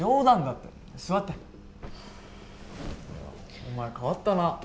お前変わったな。